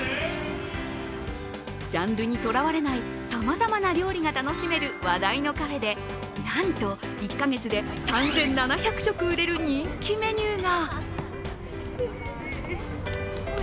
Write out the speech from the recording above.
ジャンルにとらわれないさまざまな料理が楽しめる話題のカフェでなんと１か月で３７００食売れるメニューが。